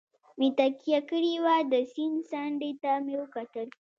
مې تکیه کړې وه، د سیند څنډې ته مې وکتل.